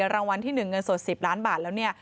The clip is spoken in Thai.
รางวัลที่๑เงินสด๑๐ล้านบาทแล้วเนี่ย